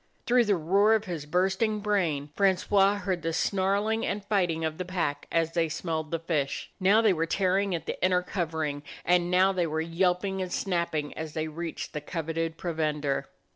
Through the roar of his bursting brain Francois heard the snarling and fighting of the pack as they smelled the fish. Now they were tearing at the inner covering, and now they were yelping and snapping as they reached the coveted provender.